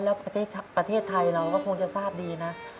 แล้วประเทศไทยเราก็คงจะทราบดีนะ